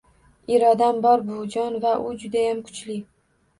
Irodam bor, buvijon, va u judayam kuchli...